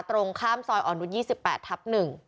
ตรงข้ามซอยออนุนทร์๒๘ทับ๑